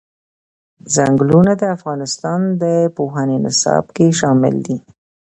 ځنګلونه د افغانستان د پوهنې نصاب کې شامل دي.